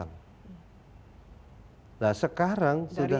nah sekarang sudah